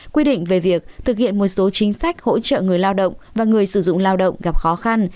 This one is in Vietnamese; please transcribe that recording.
quy định về việc thực hiện một số chính sách hỗ trợ người lao động và người sử dụng lao động gặp khó khăn